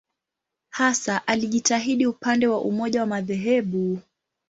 Hasa alijitahidi upande wa umoja wa madhehebu.